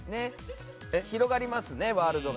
広がりますね、ワールドが。